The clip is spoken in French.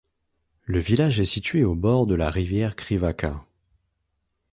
Le village est situé au bord de la rivière Krivača.